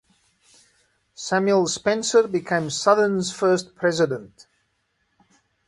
Samuel Spencer became Southern's first president.